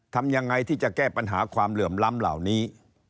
ทำยังไงที่จะแก้ปัญหาความเหลื่อมล้ำเหล่านี้